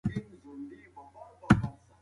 هغوی باور لري چې نېکمرغي په قناعت کې ده.